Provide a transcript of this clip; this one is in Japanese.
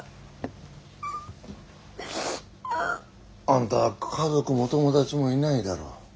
あんた家族も友達もいないだろ。